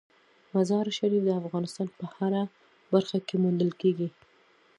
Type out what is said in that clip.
مزارشریف د افغانستان په هره برخه کې موندل کېږي.